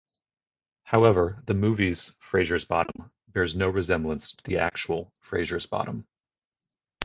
However, the movie's Fraziers Bottom bears no resemblance to the actual Fraziers Bottom.